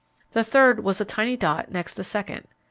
The third was a tiny dot next the second.